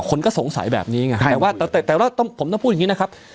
คนก็สงสัยแบบนี้ไงแต่ว่าแต่ว่าผมต้องพูดอย่างนี้นะครับ